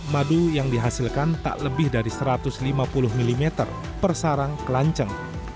madu yang dihasilkan tak lebih dari satu ratus lima puluh mm per sarang kelanceng